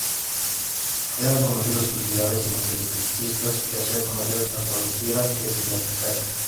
Eran conocidos sus ideales independentistas, que hacía conocer a cualquiera que se le acercase.